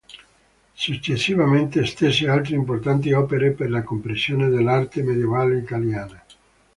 Successivamente stese altre importanti opere per la comprensione dell'arte medievale italiana.